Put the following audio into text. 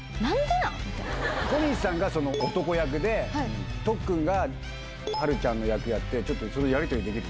小西さんが男役で、とっくんがはるちゃんの役やって、ちょっとそのやり取りできる？